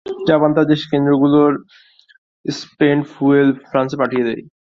Japan তার দেশের কেন্দ্রগুলোর স্পেন্ট ফুয়েল ফ্রান্সে পাঠিয়ে দেয়।